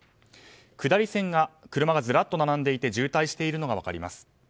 下り線は車がずらっと並んでいて渋滞しているのが分かります。